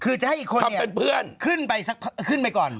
คือจะให้อีกคนเนี่ยขึ้นไปก่อน